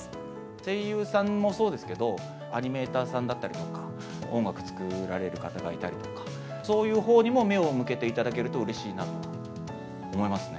声優さんもそうですけど、アニメーターさんだったりとか、音楽作られる方がいたりとか、そういうほうにも目を向けていただけるとうれしいなと思いますね。